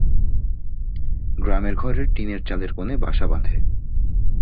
গ্রামের ঘরের টিনের চালের কোণে বাসা বাঁধে।